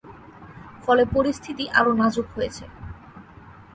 ফলে পরিস্থিতি আরও নাজুক হয়েছে।